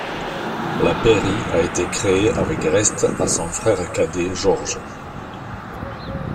La pairie a été créée avec reste à son frère cadet George.